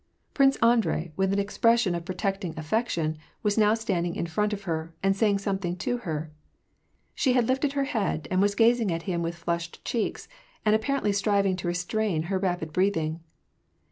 Prince Andrei, with an expression of protecting affection, was now standing in front of her, and saying something to her. She had lifted her head, and was gazing at him with flushed cheeks, and apparently striving to restrain her rapid breath ing.